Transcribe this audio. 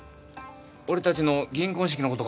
俺たちの銀婚式のことか？